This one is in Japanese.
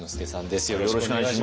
よろしくお願いします。